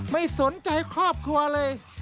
ไม่สนใจครอบครัวเลย